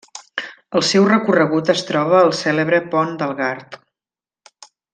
Al seu recorregut es troba el cèlebre Pont del Gard.